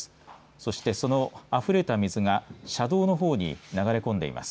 そして、そのあふれた水が車道の方に流れ込んでいます。